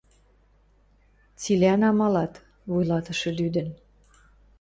Цилӓн амалат... — вуйлатышы лӱдӹн.